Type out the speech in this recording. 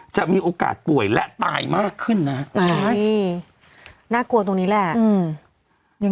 จะมีโอกาสป่วยและตายมากขึ้นนะฮะน่ากลัวตรงนี้แหละ